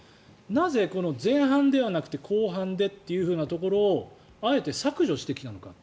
なぜこの前半ではなく後半でというところをあえて削除してきたのか。